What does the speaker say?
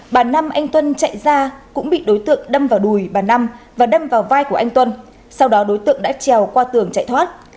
bà nam anh tuân chạy ra cũng bị đối tượng đâm vào đùi bà năm và đâm vào vai của anh tuân sau đó đối tượng đã trèo qua tường chạy thoát